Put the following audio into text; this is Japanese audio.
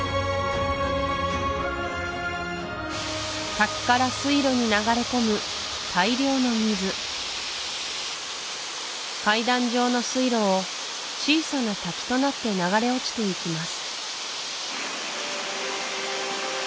滝から水路に流れ込む大量の水階段状の水路を小さな滝となって流れ落ちていきます